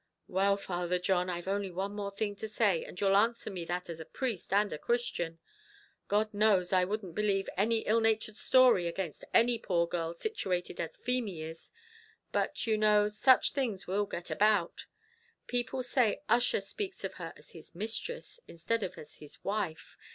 "Well, Father John, I've only one more thing to say, and you'll answer me that as a priest and a Christian. God knows, I wouldn't believe any ill natured story against any poor girl situated as Feemy is; but you know, such things will get about: people say Ussher speaks of her as his mistress, instead of as his wife.